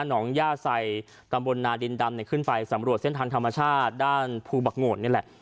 หนองย่าใส่ตำบลนาดินดำเนี่ยขึ้นไปสำรวจเส้นทางธรรมชาติด้านภูบักโดดนี่แหละ